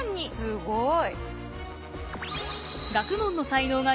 すごい！